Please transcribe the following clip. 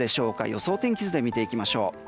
予想を天気図で見ていきましょう。